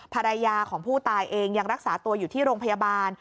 ภรรยาของผู้ตายเองยังรักษาตัวอยู่ที่โรงพยาบาล